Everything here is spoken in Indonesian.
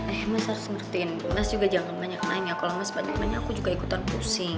eh mas harus ngertiin mas juga jangan banyak nanya kalo mas banyak nanya aku juga ikutan pusing